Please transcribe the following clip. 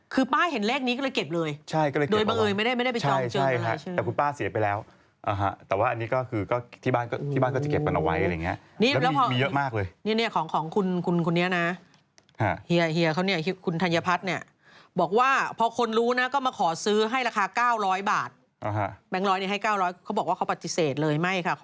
คือป้าเห็นแรกนี้ก็เลยเก็บเลย